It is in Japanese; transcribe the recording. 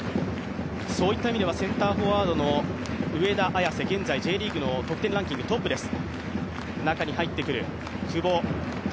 そういった意味ではセンターフォワードの上田綺世、得点ランキングトップです。